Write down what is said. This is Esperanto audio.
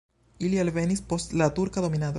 Ili alvenis post la turka dominado.